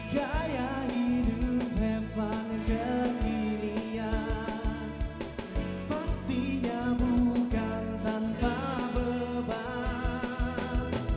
gaya hidup hempan kekinian pastinya bukan tanpa beban